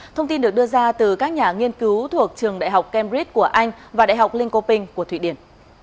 thông tin được đưa ra từ các nhà nghiên cứu thuộc trường đại học cambridg của anh và đại học linkoping của thụy điển